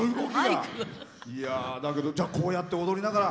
じゃあこうやって踊りながら